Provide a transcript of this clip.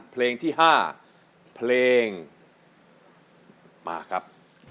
เพลงที่๕เพลงมาครับ